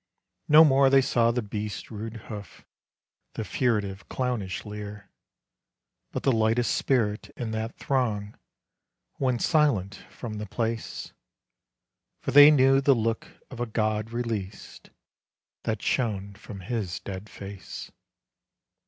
No more they saw the beast's rude hoof, The furtive, clownish leer; But the lightest spirit in that throng Went silent from the place, For they knew the look of a god released That shone from his dead face.